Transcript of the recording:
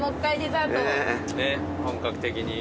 本格的に。